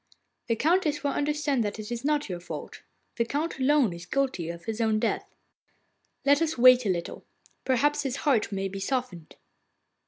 'The Countess will understand that it is not your fault; the Count alone is guilty of his own death.' 'Let us wait a little. Perhaps his heart may be softened.